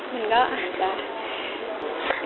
มันก็อาจจะ